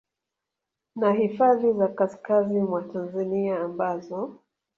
na hifadhi za kaskazi mwa Tanzania ambazo